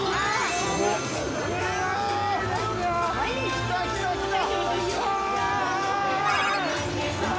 ◆来た来た来た！